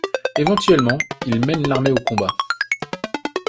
Éventuellement, ils mènent l'armée au combat.